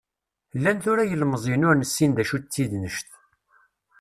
Llan tura yilemẓiyen ur nessin d acu d tidnect.